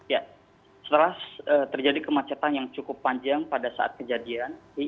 ya setelah terjadi kemacetan yang cukup panjang pada saat kejadian